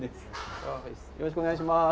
よろしくお願いします。